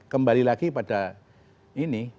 kembali lagi pada ini